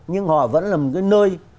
nhưng họ vẫn là một cái nơi